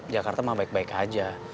jakarta mah baik baik aja